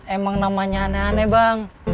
emang namanya aneh aneh bang